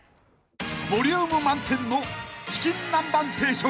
［ボリューム満点のチキン南蛮定食］